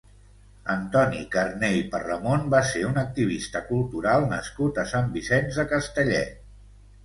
Antoni Carné i Parramon va ser un activista cultural nascut a Sant Vicenç de Castellet.